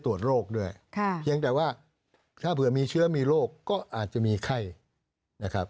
ถ้าเผื่อมีเชื้อมีโรคก็อาจจะมีไข้นะครับ